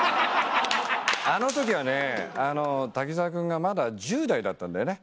あの時はね滝沢君がまだ１０代だったんだよね。